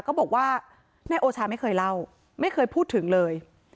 ก็บอกว่านายโอชาไม่เคยเล่าไม่เคยพูดถึงเลย